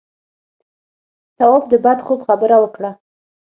تواب د بد خوب خبره وکړه.